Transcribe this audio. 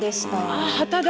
あっ旗だ。